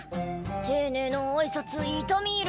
丁寧な挨拶痛み入る